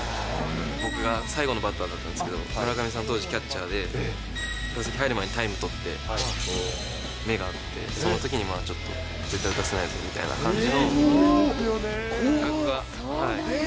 僕が最後のバッターだったんですけど、村上さん、当時キャッチャーで、打席入る前にタイム取って、目が合って、そのときにちょっと、絶対に打たせないぞみたいな感じの。